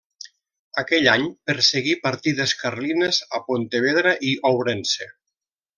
Aquell any, perseguí partides carlines a Pontevedra i Ourense.